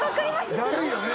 だるいよね！